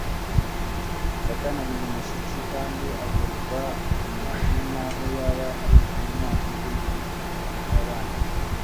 Satani ahinda umushyitsi kandi ahuruga umuntu naho yaba ari umuruyantege nke hanyuma y'abandi,